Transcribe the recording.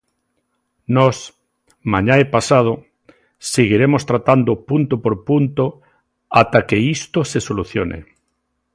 Nós, mañá e pasado, seguiremos tratando punto por punto ata que isto se solucione.